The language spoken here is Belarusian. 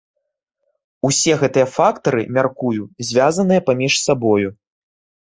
Усе гэтыя фактары, мяркую, звязаныя паміж сабою.